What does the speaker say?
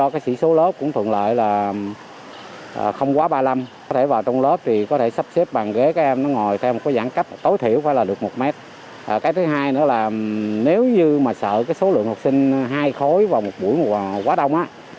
cái thứ hai nữa là nếu như mà sợ cái số lượng học sinh hai khối vào một buổi quá đông á